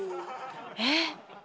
えっ。